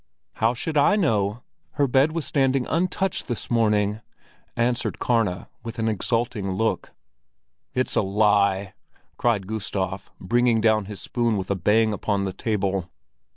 "How should I know? Her bed was standing untouched this morning," answered Karna, with an exulting look. "It's a lie!" cried Gustav, bringing down his spoon with a bang upon the table.